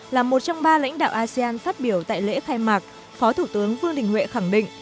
là một trong ba lãnh đạo asean phát biểu tại lễ khai mạc phó thủ tướng vương đình huệ khẳng định